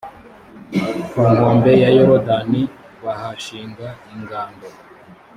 ku nkombe ya yorudani, bahashinga ingando